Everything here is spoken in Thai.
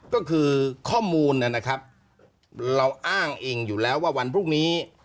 ก็คือข้อมูลนะครับเราอ้างเองอยู่แล้วว่าวันพรุ่งนี้